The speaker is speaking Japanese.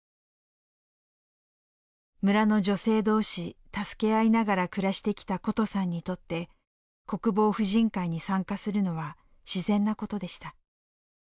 村の女性同士助け合いながら暮らしてきたことさんにとって国防婦人会に参加するのは自然なことでした。